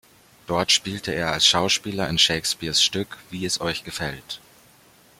Dort spielte er als Schauspieler in Shakespeares Stück "Wie es euch gefällt".